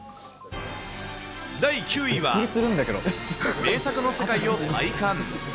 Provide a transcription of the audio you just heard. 第９位は名作の世界を体感。